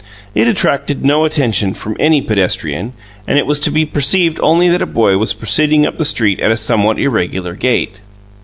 It attracted no attention from any pedestrian, and it was to be perceived only that a boy was proceeding up the street at a somewhat irregular gait.